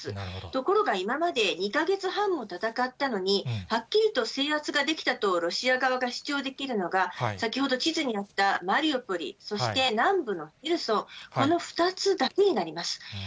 ところが今まで、２か月半も戦ったのに、はっきりと制圧ができたとロシア側が主張できるのが、先ほど地図にあったマリウポリ、そして南部のヘルソン、この２つだけになります。